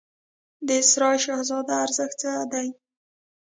د سرای شهزاده ارزښت څه دی؟